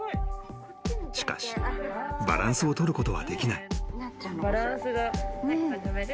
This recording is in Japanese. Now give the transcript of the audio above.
［しかしバランスを取ることはできない］